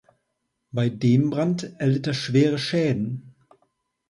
Bei dem Brand erlitt er schwere Schäden.